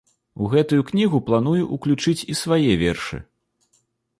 У гэтую кнігу планую ўключыць і свае вершы.